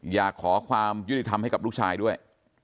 อยากขอความยุติธรรมให้กับลูกชายด้วย